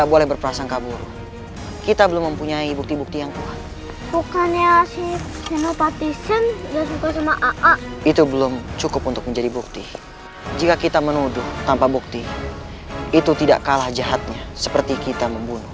kepada surawi sesa